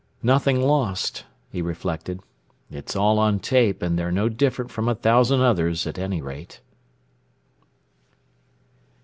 Nothing lost, he reflected. _It's all on tape and they're no different from a thousand others at any rate.